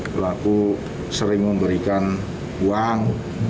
pelaku sering memberikan uang